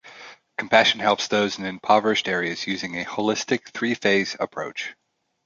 Compassion helps those in impoverished areas using a holistic three-phase approach.